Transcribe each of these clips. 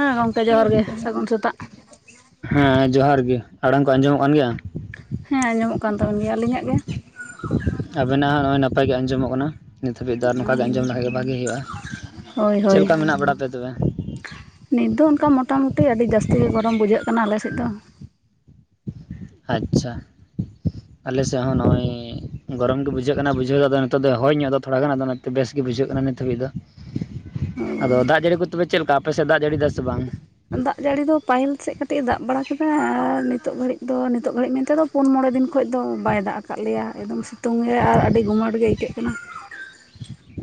ᱦᱮᱸ ᱜᱚᱢᱠᱮ ᱡᱚᱦᱟᱨ ᱦᱮᱸ ᱜᱮ ᱞᱟᱹᱭ ᱵᱮᱱ ᱥᱟᱹᱜᱩᱱ ᱥᱮᱛᱟᱜ᱾ ᱦᱮᱸ ᱡᱚᱦᱟᱨ ᱜᱮ, ᱟᱲᱟᱝ ᱠᱚ ᱟᱸᱡᱚᱢᱚᱜ ᱠᱟᱱ ᱜᱮᱭᱟ ᱾ ᱦᱮᱸ ᱟᱸᱚᱢᱚᱜ ᱠᱟᱱ ᱛᱟᱵᱤᱱ ᱜᱮᱭᱟ ᱟᱹᱞᱤᱧᱟᱜ ᱜᱮ ᱾ ᱟᱵᱮᱱᱟᱜ ᱦᱚᱸ ᱱᱚᱜ ᱚᱭ ᱱᱟᱯᱟᱭ ᱜᱮ ᱟᱸᱡᱚᱢᱚᱜ ᱠᱟᱱᱟ ᱱᱤᱛ ᱦᱟᱹᱵᱤᱡ ᱫᱚ ᱟᱨ ᱱᱚᱝᱠᱟ ᱟᱸᱡᱚᱢ ᱞᱮᱠᱷᱟᱱ ᱜᱮ ᱵᱷᱟᱜᱤ ᱦᱩᱭᱩᱜᱼᱟ ᱾ ᱦᱳᱭ ᱦᱳᱭ ᱱᱤᱛ ᱫᱚ ᱚᱱᱠᱟ ᱢᱚᱴᱟ ᱢᱩᱴᱤ ᱟᱹᱰᱤ ᱡᱟᱹᱥᱛᱤ ᱜᱮ ᱜᱚᱨᱚᱢ ᱵᱩᱡᱷᱟᱹᱜ ᱠᱟᱱᱟ ᱟᱞᱮ ᱥᱮᱫ ᱫᱚ ᱾ ᱟᱪᱪᱷᱟ ᱟᱞᱮᱥᱮᱫ ᱦᱚᱸ ᱱᱚᱜᱼᱚᱭ ᱜᱚᱨᱚᱢ ᱜᱮ ᱵᱩᱡᱷᱟᱹᱜ ᱠᱟᱱᱟ ᱵᱩᱡᱷᱟᱹᱣ ᱟᱫᱚ ᱱᱤᱛᱚᱜ ᱫᱚ ᱦᱚᱭ ᱧᱚᱜ ᱫᱚ ᱛᱷᱚᱲᱟ ᱜᱟᱱ ᱟᱫᱚ ᱵᱮᱥ ᱜᱮ ᱵᱩᱡᱷᱟᱹᱜ ᱠᱟᱱᱟ ᱱᱤᱛ ᱦᱟᱹᱵᱤᱡ ᱫᱚ [unintelligible] ᱟᱫᱚ ᱫᱟᱜ ᱡᱟᱹᱲᱤ ᱠᱚ ᱛᱚᱵᱮ ᱪᱮᱫ ᱞᱮᱠᱟ ᱟᱯᱮ ᱥᱮᱫ ᱫᱟᱜ ᱡᱟᱹᱲᱤ ᱮᱫᱟ ᱥᱮ ᱵᱟᱝ ᱫᱟᱜ ᱡᱟᱹᱲᱤ ᱫᱚ ᱯᱟᱹᱦᱤᱞ ᱥᱮᱫ ᱠᱟᱹᱴᱤᱡ ᱮ ᱫᱟᱜ ᱵᱟᱲᱟ ᱠᱮᱫᱟ ᱟᱨ ᱱᱤᱛᱚᱜ ᱜᱷᱟᱹᱲᱤᱡ ᱫᱚ ᱱᱤᱛᱚᱜ ᱜᱷᱟᱹᱲᱤᱡ ᱢᱮᱱᱛᱮᱫᱚ ᱯᱩᱱ ᱢᱚᱬᱮ ᱫᱤᱱ ᱠᱷᱚᱡ ᱫᱚ ᱵᱟᱭ ᱫᱟᱜ ᱟᱠᱟᱫ ᱞᱮᱭᱟ ᱮᱠᱫᱚᱢ ᱥᱤᱛᱩᱝ ᱜᱮ ᱟᱨ ᱟᱹᱰᱤ ᱜᱩᱢᱟᱹᱴ ᱜᱮ ᱟᱹᱭᱠᱟᱹᱜ ᱠᱟᱱᱟ ᱾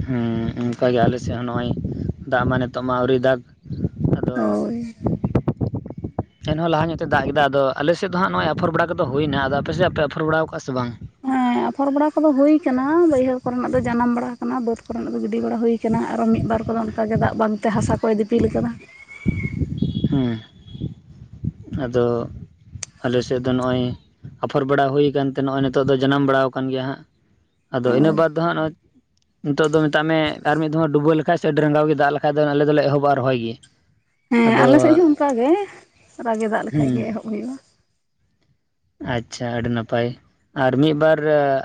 ᱦᱚᱸ ᱚᱱᱠᱟᱜᱮ ᱟᱞᱮ ᱥᱮᱫ ᱦᱚᱸ ᱱᱚᱜᱼᱚᱭ ᱫᱟᱜ ᱢᱟ ᱱᱤᱛᱚᱜ ᱢᱟ ᱟᱹᱣᱨᱤ ᱫᱟᱜᱽ ᱟᱫᱚ ᱦᱳᱭ [unintelligible] ᱮᱱᱦᱚᱸ ᱞᱟᱦᱟ ᱧᱚᱜ ᱮ ᱫᱟᱜ ᱠᱮᱫᱟ ᱟᱫᱚ ᱟᱞᱮ ᱥᱮᱫ ᱫᱚ ᱱᱟᱜ ᱱᱚᱜᱼᱚᱭ ᱟᱯᱷᱚᱨ ᱵᱟᱲᱟ ᱠᱚᱫᱚ ᱦᱩᱭᱱᱟ ᱟᱫᱚ ᱟᱯᱮ ᱥᱮᱫᱟᱜ ᱯᱮ ᱟᱯᱷᱚᱨ ᱵᱟᱲᱟᱣ ᱟᱠᱟᱟᱜᱼᱟ ᱥᱮ ᱵᱟᱝ ᱾ ᱦᱮᱸ ᱟᱯᱷᱚᱨ ᱵᱟᱲᱟ ᱠᱚᱫᱚ ᱦᱩᱭ ᱠᱟᱱᱟ ᱵᱟᱹᱭᱦᱟᱹᱲ ᱠᱚᱨᱮᱱᱟᱜ ᱫᱚ ᱡᱟᱱᱟᱢ ᱵᱟᱲᱟ ᱟᱠᱟᱱᱟ ᱾ ᱚᱱᱟ ᱵᱟᱹᱫᱽ ᱠᱚᱨᱮᱱᱟᱜ ᱫᱚ ᱜᱤᱰᱤ ᱵᱟᱲᱟ ᱦᱩᱭ ᱟᱠᱟᱱᱟ ᱟᱨᱚ ᱢᱤᱫ ᱵᱟᱨ ᱠᱚᱫᱚ ᱚᱱᱠᱟᱜᱮ ᱫᱟᱜ ᱵᱟᱝᱛᱮ ᱦᱟᱥᱟ ᱠᱚᱭ ᱫᱤᱯᱤᱞ ᱟᱠᱟᱫᱟ ᱾ ᱦᱩᱸ ᱟᱫᱚ ᱟᱞᱮᱥᱮᱫ ᱫᱚ ᱱᱚᱜᱼᱚᱭ ᱟᱯᱷᱚᱨ ᱵᱟᱲᱟ ᱦᱩᱭᱠᱟᱱᱛᱮ ᱱᱚᱜᱼᱚᱭ ᱱᱤᱛᱚᱜ ᱫᱚ ᱡᱟᱱᱟᱢ ᱵᱟᱲᱟ ᱟᱠᱟᱱ ᱜᱮᱭᱟ ᱦᱟᱸᱜ ᱾ ᱟᱫᱚ ᱤᱱᱟᱹ ᱦᱳᱭ ᱵᱟᱫᱽ ᱫᱚ ᱦᱟᱸᱜ ᱱᱚᱭ ᱱᱤᱛᱚᱜ ᱫᱚ ᱢᱮᱛᱟᱜ ᱢᱮ ᱟᱨ ᱢᱤᱫ ᱫᱷᱚᱢ ᱰᱩᱵᱟᱹ ᱞᱮᱠᱟᱱ ᱥᱮ ᱟᱹᱰᱤ ᱨᱟᱸᱜᱟᱣ ᱜᱮ ᱫᱟᱜ ᱞᱮᱠᱷᱟᱱ ᱫᱚ ᱟᱞᱮ ᱫᱚ ᱞᱮ ᱮᱦᱚᱵᱼᱟ ᱨᱚᱦᱚᱭ ᱜᱮ ᱦᱮᱸ ᱟᱫᱚ ᱟᱞᱮᱥᱮᱫ ᱦᱚᱸ ᱚᱱᱠᱟ ᱜᱮ ᱨᱟᱹᱜᱤ ᱫᱟᱜ ᱦᱮᱸ ᱞᱮᱠᱷᱟᱱ ᱜᱮ ᱮᱦᱚᱵ ᱦᱩᱭᱩᱜᱼᱟ ᱾ ᱟᱪᱪᱷᱟ ᱟᱹᱰᱤ ᱱᱟᱯᱟᱭ᱾ ᱟᱨ ᱢᱤᱫ ᱵᱟᱨ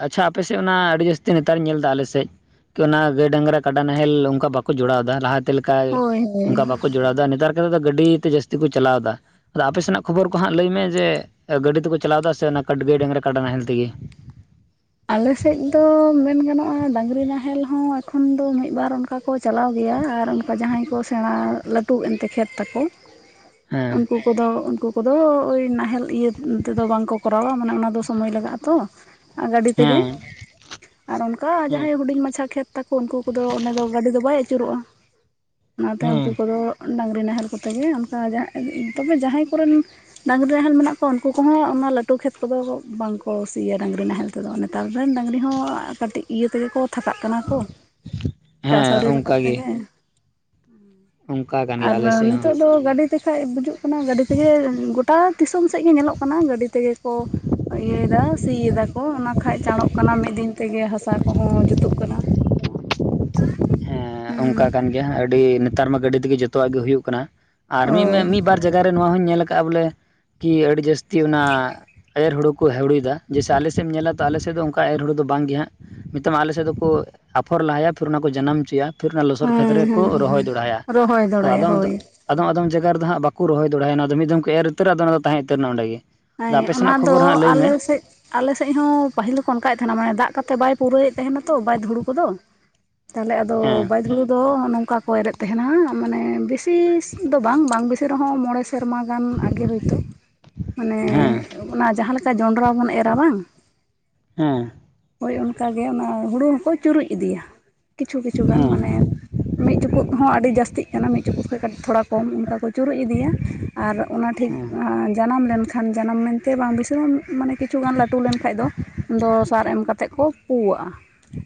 ᱟᱪᱪᱷᱟ ᱟᱯᱮᱥᱮᱫ ᱚᱱᱟ ᱟᱹᱰᱤ ᱡᱟᱹᱥᱛᱤ ᱱᱮᱛᱟᱨ ᱤᱧ ᱧᱮᱞ ᱮᱫᱟ ᱟᱞᱮᱥᱮᱫ ᱚᱱᱟ ᱜᱟᱹᱭ ᱰᱟᱝᱨᱟ ᱠᱟᱰᱟ ᱱᱟᱦᱮᱞ ᱚᱱᱠᱟ ᱵᱟᱠᱚ ᱡᱚᱲᱟᱣ ᱮᱫᱟ ᱞᱟᱦᱟ- ᱞᱮᱠᱟ ᱦᱳᱭ ᱚᱱᱠᱟ ᱵᱟᱠᱚ ᱡᱚᱲᱟᱣ ᱮᱫᱟ ᱱᱮᱛᱟᱨ ᱫᱚ ᱜᱟᱹᱰᱤ ᱛᱮ ᱡᱟᱹᱥᱛᱤ ᱠᱚ ᱪᱟᱞᱟᱣ ᱮᱫᱟ ᱟᱫᱚ ᱟᱯᱮ ᱦᱳᱭ ᱥᱮᱱᱟᱜ ᱠᱷᱚᱵᱚᱨ ᱠᱚ ᱦᱟᱸᱜ ᱞᱟᱹᱭ ᱢᱮ ᱡᱮ ᱜᱟᱹᱰᱤ ᱛᱮᱠᱚ ᱪᱟᱞᱟᱣ ᱮᱫᱟ ᱥᱮ ᱚᱱᱟ ᱠᱟᱴ ᱜᱟᱹᱭ ᱰᱟᱝᱨᱟ ᱠᱟᱰᱟ ᱱᱟᱦᱮᱞ ᱛᱮᱜᱮ ᱟᱞᱮᱥᱮᱫ ᱫᱚ ᱢᱮᱱ ᱜᱟᱱᱚᱜᱼᱟ ᱰᱟᱹᱝᱨᱤ ᱱᱟᱦᱮᱞ ᱦᱚᱸ ᱮᱠᱷᱚᱱ ᱫᱚ ᱢᱤᱫ ᱵᱟᱨ ᱚᱱᱠᱟ... ᱠᱚ ᱪᱟᱞᱟᱣ ᱜᱮᱭᱟ ᱟᱨ ᱚᱱᱠᱟ ᱡᱟᱦᱟᱸᱭ ᱠᱚ ᱥᱮᱬᱟ ᱞᱟᱹᱴᱩ ᱮᱱᱛᱮ ᱠᱷᱮᱛ ᱛᱟᱠᱚ ᱦᱮᱸ ᱩᱱᱠᱩ ᱩᱱ ᱠᱚᱫᱚ ᱩᱱᱠᱩ ᱠᱚᱫᱚ ᱳᱭ ᱱᱟᱦᱮᱞ ᱤᱭᱟᱹ ᱛᱮᱫᱚ ᱵᱟᱝᱠᱚ ᱠᱚᱨᱟᱣᱟ ᱢᱟᱱᱮ ᱚᱱᱟᱫᱚ ᱥᱚᱢᱚᱭ ᱞᱟᱜᱟᱜᱼᱟ ᱛᱚ ᱟ ᱜᱟᱹᱰᱤ ᱛᱮᱜᱮ ᱦᱮᱸ ᱟᱨ ᱚᱱᱠᱟ ᱦᱮᱸ ᱡᱟᱦᱟᱸᱭ ᱦᱩᱰᱤᱧ ᱢᱟᱪᱷᱟ ᱠᱷᱮᱛ ᱛᱟᱠᱚ ᱩᱱᱠᱩ ᱠᱚᱫᱚ ᱚᱰᱮ ᱫᱚ ᱜᱟᱹᱰᱤ ᱫᱚ ᱵᱟᱭ ᱟᱹᱪᱩᱨᱚᱜᱼᱟ ᱾ ᱚᱱᱟᱛᱮ ᱩᱱᱠᱩ ᱦᱮᱸ ᱠᱚᱫᱚ ᱰᱟᱝᱨᱤ ᱱᱟᱦᱮᱞ ᱠᱚᱛᱮ ᱜᱮ ᱚᱱᱠᱟ ᱛᱚᱵᱮ ᱡᱟᱦᱟᱸᱭ ᱠᱚᱨᱮᱱ [inaudible] ᱰᱟᱹᱟᱝᱨᱤ ᱱᱟᱦᱮᱞ ᱢᱮᱱᱟᱜ ᱠᱚᱣᱟ ᱩᱱᱠᱩ ᱠᱚᱦᱚᱸ ᱚᱱᱟ ᱞᱟᱹᱴᱩ ᱠᱷᱮᱛ ᱠᱚᱫᱚ ᱵᱟᱝᱠᱚ ᱥᱤᱭᱟ ᱰᱟᱝᱨᱤ ᱱᱟᱦᱮᱞ ᱟᱫᱚ ᱱᱮᱛᱟᱨ ᱨᱮᱱ ᱰᱟᱹᱝᱨᱤ ᱦᱚᱸ ᱠᱟᱹᱴᱤᱡ ᱤᱭᱟᱹ ᱛᱮᱜᱮ ᱠᱚ ᱛᱷᱟᱠᱟᱜ ᱠᱟᱱᱟ ᱠᱚ ᱪᱟᱥ ᱦᱮᱸ ᱟᱹᱣᱨᱤ ᱨᱟᱠᱟᱵ ᱚᱱᱠᱟ ᱜᱮ ᱛᱮᱜᱮ ᱚᱱᱠᱟ ᱠᱟᱱ ᱜᱮᱭᱟ ᱟᱨ ᱟᱞᱮ ᱥᱮᱫ ᱦᱚᱸ ᱱᱤᱛᱳᱜ ᱫᱚ ᱜᱟᱹᱰᱤ ᱛᱚ ᱠᱷᱟᱱ ᱵᱩᱡᱩᱜ ᱠᱟᱱᱟ ᱜᱟᱹᱰᱤ ᱛᱮᱜᱮ ᱜᱚᱴᱟ ᱫᱤᱥᱚᱢ ᱥᱮᱫ ᱜᱮ ᱧᱮᱞᱚᱜ ᱠᱟᱱᱟ ᱜᱟᱹᱰᱤ ᱛᱮᱜᱮ ᱠᱚ ᱤᱭᱟᱹᱮᱫᱟ ᱥᱤ ᱮ ᱫᱟ ᱠᱚ ᱚᱱᱟ ᱠᱷᱟᱱ ᱪᱟᱬᱚᱜ ᱠᱟᱱᱟ ᱢᱤᱫ ᱫᱤᱱ ᱛᱮᱜᱮ ᱦᱟᱥᱟ ᱠᱚᱦᱚᱸ ᱡᱩᱛᱩᱜ ᱠᱟᱱᱟ ᱾ ᱦᱮᱸ ᱚᱱᱠᱟ ᱠᱟᱱ ᱜᱮᱭᱟ ᱟᱹᱰᱤ ᱱᱮᱛᱟᱨ ᱢᱟ ᱜᱟᱹᱰᱤ ᱛᱮᱜᱮ ᱡᱚᱛᱚᱣᱟᱜ ᱜᱮ ᱦᱩᱭᱩᱜ ᱠᱟᱱᱟ ᱟᱨ ᱚ ᱢᱤᱫ ᱢᱟ ᱢᱤᱫ ᱵᱟᱨ ᱡᱟᱭᱜᱟ ᱨᱮ ᱱᱚᱣᱟ ᱦᱚᱸᱧ ᱧᱮᱞ ᱟᱠᱟᱫᱼᱟ ᱵᱚᱞᱮ ᱠᱤ ᱟᱹᱰᱤ ᱡᱟᱹᱥᱛᱤ ᱚᱱᱟ ᱮᱨ ᱦᱩᱲᱳ ᱠᱚ ᱠᱚ ᱦᱟᱹᱲᱩᱭᱮᱫᱟ ᱡᱮᱥᱮ ᱟᱞᱮ ᱥᱮᱫ ᱮᱢ ᱧᱮᱞᱟ ᱛᱚ ᱟᱞᱮ ᱥᱮᱫ ᱫᱚ ᱚᱱᱠᱟ ᱮᱨ ᱦᱩᱲ ᱫᱚ ᱵᱟᱝᱜ ᱜᱮ ᱦᱟᱸᱜ ᱱᱤᱛᱚᱝ ᱟᱞᱮ ᱥᱮᱫ ᱫᱚᱠᱚ ᱟᱯᱷᱚᱨ ᱞᱟᱦᱟᱭᱟ ᱯᱷᱤᱨ ᱚᱱᱟ ᱠᱚ ᱡᱟᱱᱟᱢ ᱦᱚᱪᱚᱭᱟ᱾ ᱛᱷᱤᱨ ᱨᱮᱱᱟᱜ ᱞᱚᱥᱚᱫ ᱠᱷᱮᱛ ᱦᱮᱸ ᱨᱮᱠᱚ ᱦᱮᱸ ᱦᱮᱸ ᱨᱚᱦᱚᱭ ᱫᱚᱦᱲᱟᱭᱟ ᱨᱚᱦᱚᱭ ᱟᱫᱚ ᱫᱚᱲᱟᱭᱟ ᱟᱫᱚᱢ ᱫᱚ, ᱦᱳᱭ ᱟᱫᱚᱢ ᱟᱫᱚᱢ ᱡᱟᱭᱜᱟ ᱨᱮᱫᱚ ᱦᱟᱸᱜ ᱵᱟᱠᱚ ᱨᱚᱦᱚᱭ ᱫᱚᱲᱦᱟᱭᱟ ᱱᱚᱣᱟ ᱫᱚ ᱢᱤᱫ ᱫᱚᱢ ᱠᱚ ᱮᱨ ᱩᱛᱟᱹᱨᱟ ᱟᱫᱚ ᱚᱱᱟ ᱫᱚ ᱛᱟᱦᱮᱸ ᱩᱛᱟᱹᱨ ᱮᱱᱟ ᱚᱸᱰᱮ ᱜᱮ᱾ ᱟᱫᱚ ᱦᱮᱸ ᱟᱯᱮ ᱚᱱᱟ ᱥᱮᱱᱟᱜ ᱫᱚ ᱠᱷᱚᱵᱚᱨ ᱦᱟᱸᱜ ᱞᱟᱹᱭ ᱢᱮ ᱟᱞᱮ ᱥᱮᱜ, ᱟᱞᱮ ᱥᱮᱜ ᱦᱚᱸ ᱯᱟᱹᱦᱤᱞ ᱫᱚᱠᱚ ᱚᱱᱠᱟᱭᱮᱫ ᱛᱟᱦᱮᱱᱟ ᱢᱟᱱᱮ ᱫᱟᱜᱽ ᱠᱟᱛᱮ ᱵᱟᱭ ᱯᱩᱨᱟᱹᱣ ᱮᱫ ᱛᱟᱦᱮᱸᱱᱟ ᱛᱚ ᱵᱟᱭᱮᱫ ᱫᱷᱩᱲᱩ ᱠᱚᱫᱚ ᱛᱟᱦᱚᱞᱮ ᱟᱫᱚ ᱦᱮᱸ ᱵᱟᱹᱫᱽ ᱦᱩᱲᱩ ᱫᱚ ᱱᱚᱝᱠᱟ ᱠᱚ ᱮᱨᱮᱫ ᱛᱟᱦᱮᱱᱟ᱾ ᱢᱟᱱᱮ ᱵᱮᱥᱤᱥ ᱫᱚ ᱵᱟᱝ ᱵᱟᱝ ᱵᱮᱥᱤ ᱨᱮᱦᱚᱸ ᱢᱚᱬᱮ ᱥᱮᱨᱢᱟ ᱜᱟᱱ ᱟᱜᱮ ᱦᱳᱭᱛᱚ, ᱢᱟᱱᱮ ᱦᱮᱸ ᱦᱮᱸ ᱚᱱᱟ ᱡᱟᱦᱟᱸ ᱞᱮᱠᱟ ᱡᱚᱱᱰᱨᱟ ᱵᱚᱱ ᱮᱨᱟ ᱵᱟᱝ, ᱦᱮᱸ ᱦᱳᱭ ᱚᱱᱠᱟ ᱜᱮ ᱚᱱᱟ ᱦᱩᱲᱩ ᱦᱚᱸᱠᱚ ᱪᱩᱨᱩᱡ ᱤᱫᱤᱭᱟ ᱠᱤᱪᱷᱩ ᱠᱤᱪᱷᱩ ᱜᱟᱱ ᱦᱮᱸ ᱢᱟᱱᱮ, ᱢᱤᱫ ᱪᱩᱯᱩᱫ ᱦᱚᱸ ᱟᱹᱰᱤ ᱡᱟᱹᱥᱛᱤᱜ ᱠᱟᱱᱟ ᱢᱤᱫ ᱪᱩᱯᱩᱫ ᱠᱷᱚᱭ ᱠᱟᱹᱴ ᱛᱷᱚᱲᱟ ᱠᱚᱢ ᱚᱱᱠᱟ ᱠᱚ ᱪᱩᱨᱩᱡ ᱤᱫᱤᱭᱟ᱾ ᱟᱨ ᱚᱱᱟ ᱴᱷᱤᱠ ᱦᱮᱸ ᱡᱟᱱᱟᱢ ᱞᱮᱱᱠᱷ ᱠᱷᱟᱱ ᱡᱟᱱᱟᱢ ᱢᱮᱱᱛᱮ ᱵᱟᱝ ᱵᱤᱥᱟᱹᱣᱟ ᱢᱟᱱᱮ ᱠᱤᱪᱷᱩ ᱜᱟᱱ ᱞᱟᱹᱴᱩ ᱞᱮᱱ ᱠᱷᱟᱭ ᱫᱚ ᱟᱫᱚ ᱥᱟᱨ ᱮᱢ, ᱠᱟᱛᱮᱜ ᱠᱚ ᱯᱩᱣᱟᱜᱼᱟ